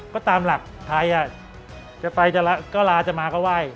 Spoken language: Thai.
ก็ตามหลักไทยจะไปก็ลาจะมาก็ไหว้